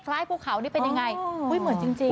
คล้ายภูเขานี่เป็นอย่างไรเฮ้ยเหมือนจริง